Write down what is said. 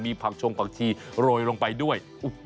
มีผักชงปากทีโรยลงไปด้วย